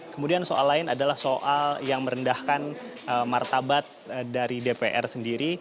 kemudian soal lain adalah soal yang merendahkan martabat dari dpr sendiri